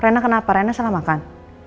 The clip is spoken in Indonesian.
rena kenapa rena salah makan